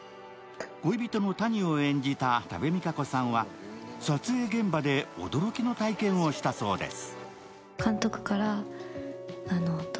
恋人の谷を演じた多部未華子さんは撮影現場で驚きの体験をしたそうです。